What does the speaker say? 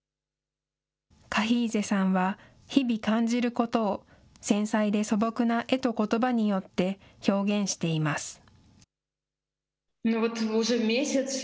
カヒーゼさんは日々感じることを繊細で素朴な絵とことばによって表現しています。